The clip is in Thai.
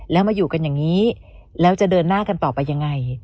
แล้วมาอยู่กันอย่างนี้แล้วจะเดินหน้ากันต่อไปยังไง